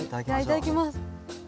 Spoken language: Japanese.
いただきます。